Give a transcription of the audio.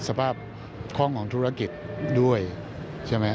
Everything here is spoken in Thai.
สภาพข้องของธุรกิจด้วยใช่ไหม